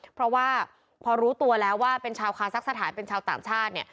เพราะว่าพอรู้ตัวแล้วว่าเป็นชาวคาซักสถานเป็นชาวต่างชาติ